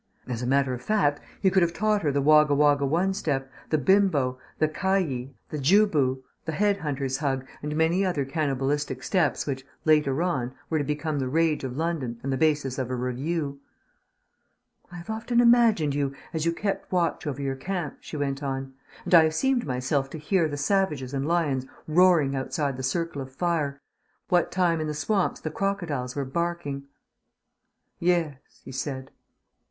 As a matter of fact, he could have taught her the Wogga Wogga one step, the Bimbo, the Kiyi, the Ju bu, the Head hunter's Hug, and many other cannibalistic steps which, later on, were to become the rage of London and the basis of a revue. "I have often imagined you, as you kept watch over your camp," she went on, "and I have seemed myself to hear the savages and lions roaring outside the circle of fire, what time in the swamps the crocodiles were barking." "Yes," he said.